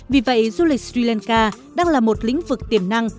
vì vậy du lịch sri lanka đang là một lĩnh vực tiềm năng